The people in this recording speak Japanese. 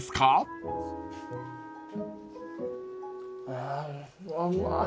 あうまい。